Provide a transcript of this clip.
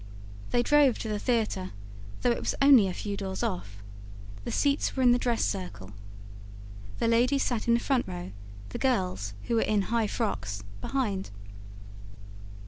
They drove to the theatre though it was only a few doors off. The seats were in the dress circle. The ladies sat in the front row, the girls, who were in high frocks, behind.